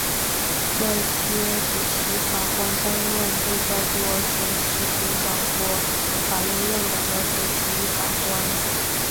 这些主席法官担任被叫作首席庭长或法院院长的首席法官。